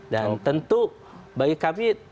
dan tentu bagi kami